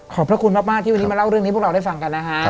พระคุณมากที่วันนี้มาเล่าเรื่องนี้พวกเราได้ฟังกันนะฮะ